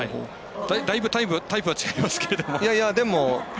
だいぶタイプが違いますけれども。